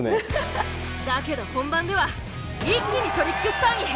だけど本番では一気にトリックスターに変貌。